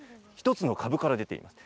１つの株から出ています。